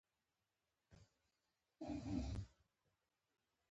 مزارشریف د افغانستان د تکنالوژۍ له نوي پرمختګ سره تړاو لري.